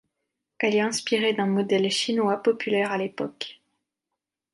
Elle est inspirée d'un modèle chinois populaire à l'époque.